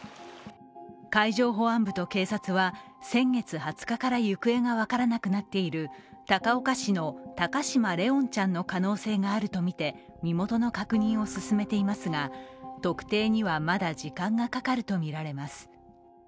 海上保安部と警察は先月２０日から行方が分からなくなっている高岡市の高嶋怜音ちゃんの可能性があるとみて身元の確認を進めていますが特定にはまだ時間がかかるとみられます。